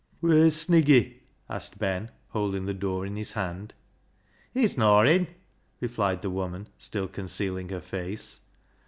" Wheer's Sniggy?" asked Ben, holding the door in his hand. " He's nor in," replied the woman, still con cealing her face.